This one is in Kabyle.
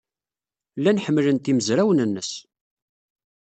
Llan ḥemmlen-t yimezrawen-nnes.